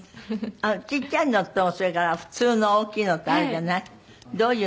ちっちゃいのとそれから普通の大きいのとあるじゃない？